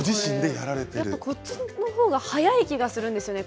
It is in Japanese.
やっぱこっちのほうが早い気がするんですよね